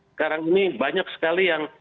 sekarang ini banyak sekali yang